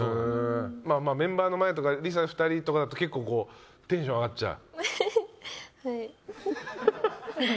メンバーの前とか理佐２人とかだと結構テンション上がっちゃう？